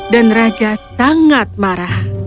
dan raja sangat marah